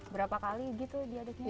berapa kali gitu diaduknya